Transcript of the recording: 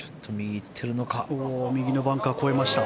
右のバンカー越えました。